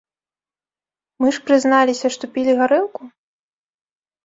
Мы ж прызналіся, што пілі гарэлку!?